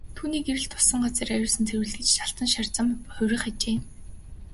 Түүний гэрэл туссан газар ариусан цэвэрлэгдэж алтан шар зам болон хувирах ажээ.